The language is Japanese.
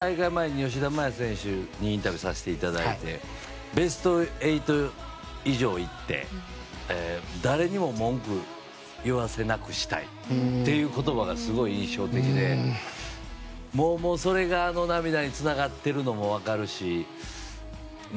大会前に吉田麻也選手にインタビューさせていただいてベスト８以上行って誰にも文句言わせなくしたいという言葉がすごく印象的で、それがあの涙につながっているのも分かるし。